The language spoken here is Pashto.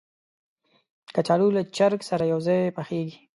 کچالو له چرګ سره یو ځای پخېږي